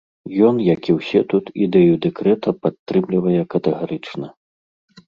Ён, як і ўсе тут, ідэю дэкрэта падтрымлівае катэгарычна!